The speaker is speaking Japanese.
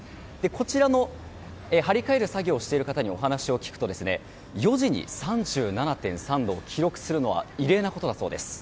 こちらを貼り替える作業をしている方にお話を聞くと４時に３７．３度を記録するのは異例なことだそうです。